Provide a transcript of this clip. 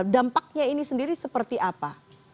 dampaknya ini sendiri seperti apa